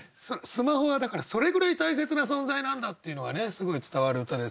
スマホはだからそれぐらい大切な存在なんだっていうのがねすごい伝わる歌ですけれど。